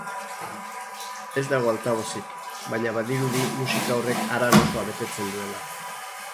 Ez dago altabozik, baina badirudi musika horrek haran osoa betetzen duela.